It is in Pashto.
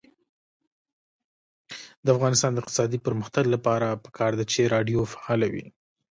د افغانستان د اقتصادي پرمختګ لپاره پکار ده چې راډیو فعاله وي.